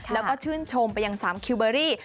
แล้วก็ชื่นชมไปอย่างซ้ำคิมเบอร์รี่